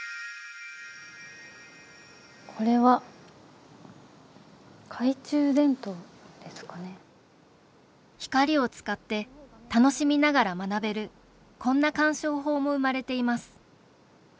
これは光を使って楽しみながら学べるこんな鑑賞法も生まれています